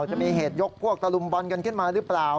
จะมีเหตุยกพวกตะลุมบอลกันขึ้นมาหรือเปล่า